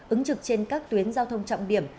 ứng trực trên các tuyến giao thông trọng điểm